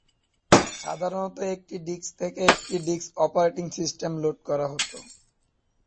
সাধারণত একটি ডিস্ক থেকে একটি ডিস্ক অপারেটিং সিস্টেম লোড করা হত।